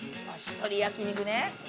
ひとり焼き肉ね。